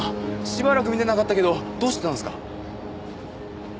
しばらく見てなかったけどどうしてたんですか？